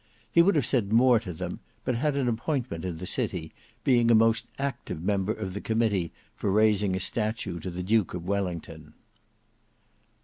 He would have said more to them, but had an appointment in the city, being a most active member of the committee for raising a statue to the Duke of Wellington.